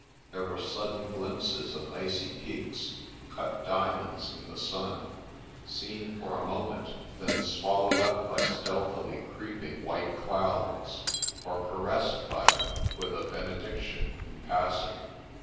There were sudden glimpses of icy peaks, cut diamonds in the sun, seen for a moment, then swallowed up by stealthily creeping white clouds, or caressed by them with a benedic tion in passing.